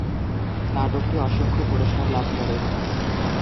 নাটকটি অসংখ্য পুরস্কার লাভ করে।